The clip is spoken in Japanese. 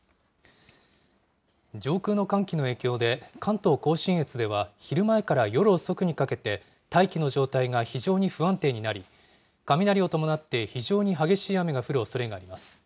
上空の寒気の影響で、関東甲信越では昼前から夜遅くにかけて、大気の状態が非常に不安定になり、雷を伴って、非常に激しい雨が降るおそれがあります。